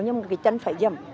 nhưng cái chân phải dầm